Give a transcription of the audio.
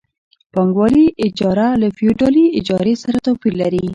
پانګوالي اجاره له فیوډالي اجارې سره توپیر لري